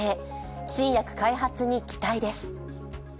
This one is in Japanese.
新薬開発に期待です。